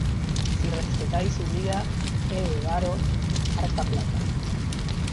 ¡ si respetáis su vida, he de daros harta plata!